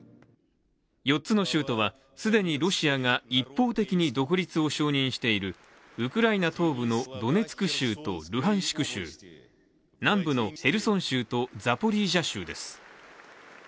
４つの州とは、既にロシアが一方的に独立を承認しているウクライナ東部のドネツク州とルハンシク州、南部のヘルソン州とザポリージャ州です。